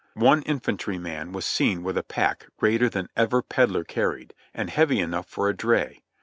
One infantryman was seen with a pack greater than ever peddler carried, and heavy enough for a dray.